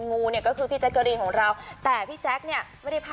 คนที่เขาพูดในเชิงนั้นค่ะ